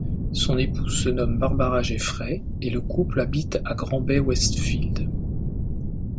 Son épouse se nomme Barbara Jeffrey et le couple habite à Grand Bay-Westfield.